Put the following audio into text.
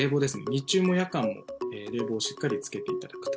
日中も夜間も冷房をしっかりつけていただくと。